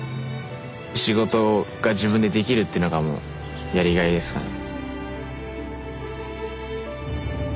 仕事が自分でできるっていうのがもうやりがいですかね。